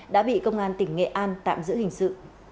đã bị công an tỉnh nghệ an tạm giữ hình sự